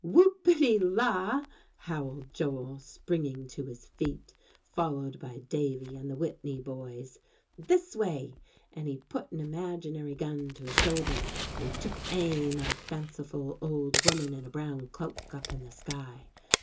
'" "Whoopity la!" howled Joel, springing to his feet, followed by Davie and the Whitney boys, "this way;" and he put an imaginary gun to his shoulder, and took aim at a fanciful old woman in a brown cloak up in the sky.